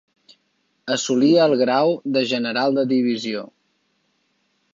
Assolí el grau de General de divisió.